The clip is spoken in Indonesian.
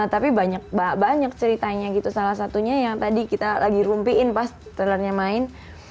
tapi banyak banyak ceritanya gitu salah satunya yang tadi kita lagi rumpiin pas trailernya main